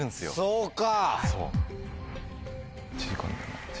そうか！